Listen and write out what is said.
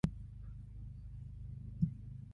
It sallies from a perch to catch insects in mid-air.